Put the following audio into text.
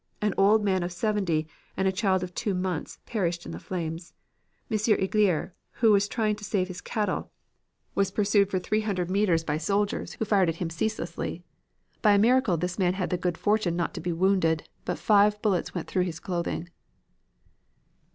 An old man of seventy and a child of two months perished in the flames. M. Igier, who was trying to save his cattle, was pursued for 300 meters by soldiers, who fired at him ceaselessly. By a miracle this man had the good fortune not to be wounded, but five bullets went through his clothing."